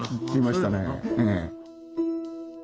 聞きましたね。